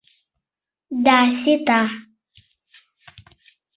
— Да, сита.